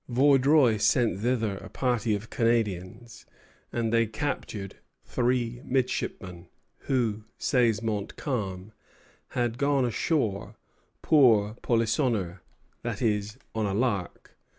Vaudreuil sent thither a party of Canadians, and they captured three midshipmen, who, says Montcalm, had gone ashore pour polissonner, that is, on a lark.